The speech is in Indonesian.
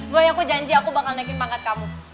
boy aku janji aku bakal naikin pangkat kamu